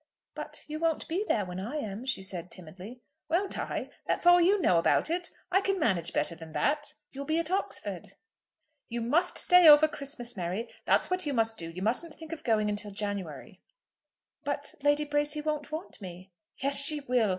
"But you won't be there when I am," she said, timidly. "Won't I? That's all you know about it. I can manage better than that." "You'll be at Oxford." "You must stay over Christmas, Mary; that's what you must do. You musn't think of going till January." "But Lady Bracy won't want me." "Yes, she will.